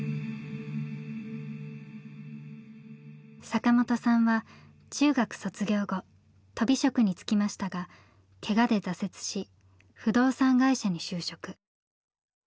坂本さんは中学卒業後とび職に就きましたがけがで挫折し不動産会社に就職。